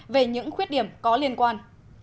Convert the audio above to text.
về những khuyết điểm có liên quan